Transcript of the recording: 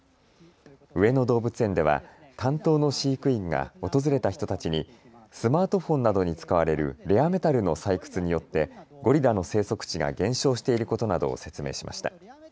上野動物園では担当の飼育員が訪れた人たちにスマートフォンなどに使われるレアメタルの採掘によってゴリラの生息地が減少していることなどを説明しました。